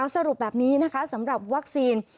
สรุปแบบนี้นะคะสำหรับวัคซีน